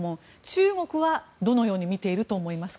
中国はどのように見ていると思いますか？